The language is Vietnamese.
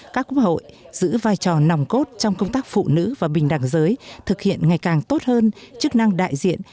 các quốc hội giữ vai trò nòng cốt trong công tác phụ nữ và bình đẳng giới thực hiện ngày càng tốt hơn chức năng đại diện